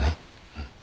うん。